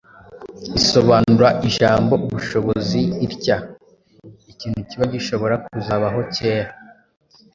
isobanura ijambo “ubushobozi” itya:ikintu kiba gishobora kuzabaho kera